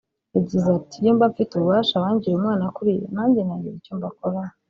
yagize ati “Iyo mba mfite ububasha abangiriye umwana kuriya nanjye nagira icyo mbakoraho